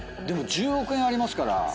でも１０億円ありますから。